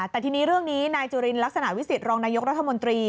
แต่ทีนี้เรื่องนี้นายจุลินลักษณะวิสิตรองนายกรัฐมนตรี